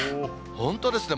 本当ですね。